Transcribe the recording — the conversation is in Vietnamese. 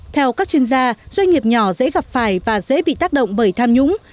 theo các chuyên gia doanh nghiệp nhỏ dễ gặp phải và dễ bị tác động bởi tham nhũng